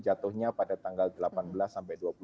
jatuhnya pada tanggal delapan belas sampai